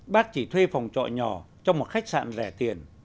bác chỉ thuê phòng trọ nhỏ trong một khách sạn rẻ tiền